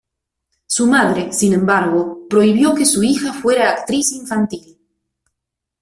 Su madre, sin embargo, prohibió que su hija fuera actriz infantil.